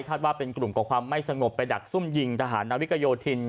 ว่าเป็นกลุ่มก่อความไม่สงบไปดักซุ่มยิงทหารนาวิกโยธิน